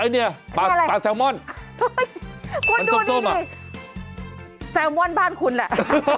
เนี่ยปากแซลมอนหัวส้นส้มอ่ะคุณดูนี่ดิแซลมอนบ้านคุณแหละ